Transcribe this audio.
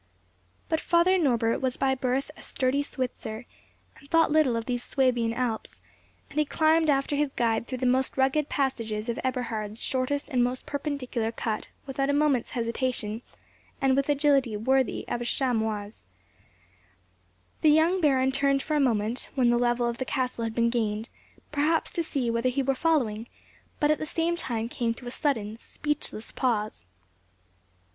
But Father Norbert was by birth a sturdy Switzer, and thought little of these Swabian Alps; and he climbed after his guide through the most rugged passages of Eberhard's shortest and most perpendicular cut without a moment's hesitation, and with agility worthy of a chamois. The young baron turned for a moment, when the level of the castle had been gained, perhaps to see whether he were following, but at the same time came to a sudden, speechless pause.